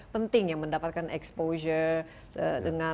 penting ya mendapatkan exposure